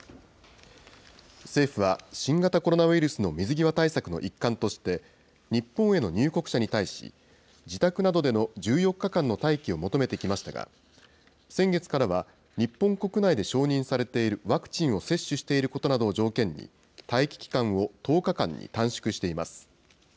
政府は新型コロナウイルスの水際対策の一環として、日本への入国者に対し、自宅などでの１４日間の待機を求めてきましたが、先月からは、日本国内で承認されているワクチンを接種していることなどを条件に、待機期間を１０日間に短縮しています。